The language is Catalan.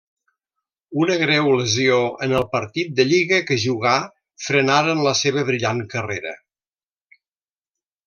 Una greu lesió en el partit de lliga que jugà frenaren la seva brillant carrera.